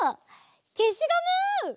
けしゴム！